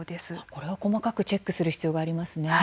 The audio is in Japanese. これは細かくチェックする必要がありますね。